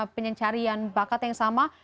penyanyi yang cari bakat yang sama